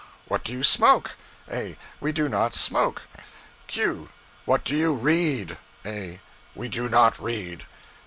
What do you smoke? A. We do not smoke. Q. What do you read? A. We do not read.